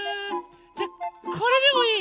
じゃこれでもいい？